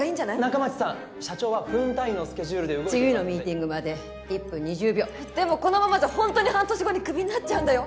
仲町さん社長は分単位のスケジュールで動いてますので次のミーティングまで１分２０秒でもこのままじゃホントに半年後にクビになっちゃうんだよ